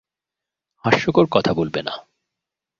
হাস্যকর কথা বলবে না।